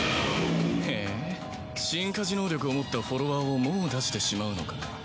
へぇ進化時能力を持ったフォロワーをもう出してしまうのかな。